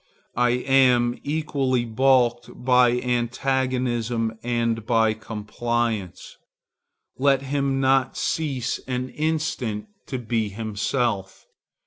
I am equally balked by antagonism and by compliance. Let him not cease an instant to be himself.